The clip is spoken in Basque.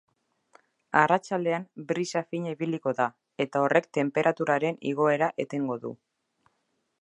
Arratsaldean, brisa fina ibiliko da, eta horrek tenperaturaren igoera etengo du.